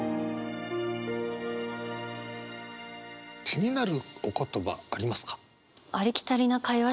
気になるお言葉ありますか？